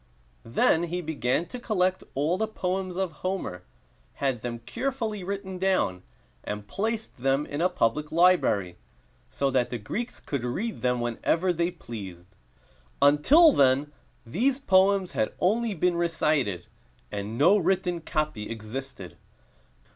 Then he began to collect all the poems of Homer, had them carefully written down, and placed them in a public library, so that the Greeks could read them whenever they pleased. Until then these poems had only been recited, and no written copy existed.